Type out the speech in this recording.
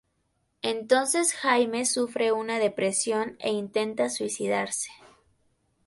Entonces Jaime sufre una depresión e intenta suicidarse.